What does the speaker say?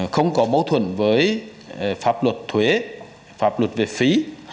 không có mâu thuẫn với pháp luật thuế pháp luật về phí